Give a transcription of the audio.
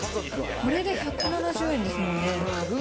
これで１７０円ですもんね。